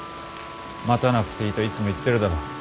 待たなくていいといつも言っているだろう？